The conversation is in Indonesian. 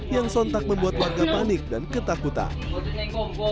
yang sontak membuat warga panik dan ketakutan